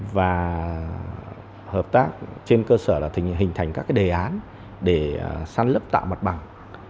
và hợp tác trên cơ sở là hình thành các đề án để săn lấp tạo mặt bằng